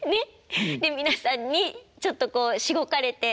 皆さんにちょっとこうしごかれて。